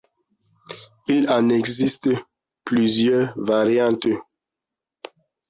Il en existe plusieurs variantes.